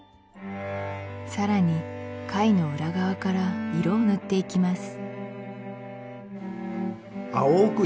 更に貝の裏側から色を塗っていきます青く